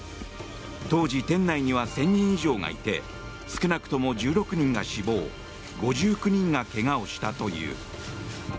当時、店内には１０００人以上がいて少なくとも１６人が死亡５９人が怪我をしたという。